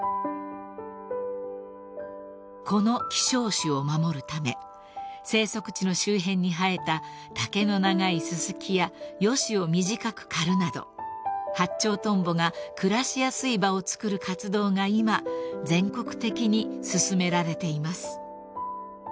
［この希少種を守るため生息地の周辺に生えた丈の長いススキやヨシを短く刈るなどハッチョウトンボが暮らしやすい場をつくる活動が今全国的に進められています］